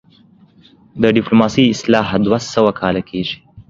د ډيپلوماسۍ اصطلاح دوه سوه کاله کيږي